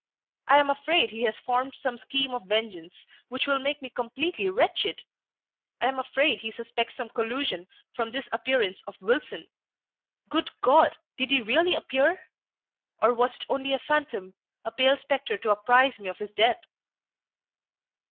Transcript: I am afraid he has formed some scheme of vengeance, which will make me completely wretched! I am afraid he suspects some collusion from this appearance of Wilson. Good God! did he really appear? or was it only a phantom, a pale spectre to apprise me of his death.